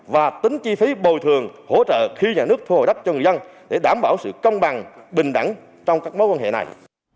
và tính chi phí bồi thường hỗ trợ khi nhà nước thu hồi đất cho người dân để đảm bảo sự công bằng bình đẳng trong các mối quan hệ này